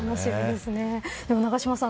でも永島さん